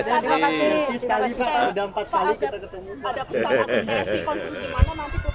sekali sekali sudah empat kali kita ketemu